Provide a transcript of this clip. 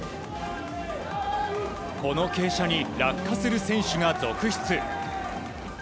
この傾斜に落下する選手が続出。